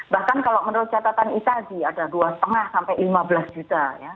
bahkan kalau menurut catatan isaji ada dua lima sampai lima belas juta ya